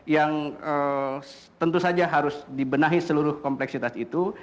yang tentu saja harus dibenahi seluruh kompleksitas itu